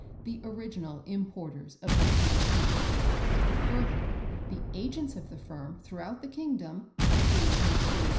the original importers of the pure Tea. Further, the Agents of the Firm throughout the Kingdom, through Messrs.